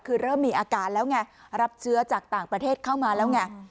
คือเริ่มมีอาการแล้วไงรับเชื้อจากต่างประเทศเข้ามาแล้วไง